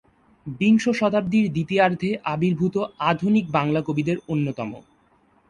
বিংশ শতাব্দীর দ্বিতীয়ার্ধে আবির্ভূত আধুনিক বাংলা কবিদের অন্যতম।